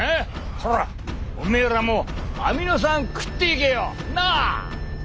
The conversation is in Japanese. ほらおめえらもアミノ酸食っていけよなあ！